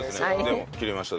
でも切れました。